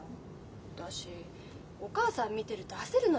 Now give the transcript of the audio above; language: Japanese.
私お母さん見てると焦るのよ。